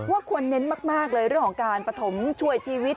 ควรเน้นมากเลยเรื่องของการปฐมช่วยชีวิต